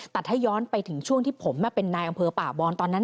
แต่ถ้าย้อนไปถึงช่วงที่ผมเป็นนายอำเภอป่าบอนตอนนั้น